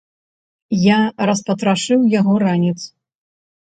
Я распатрашыў яго ранец.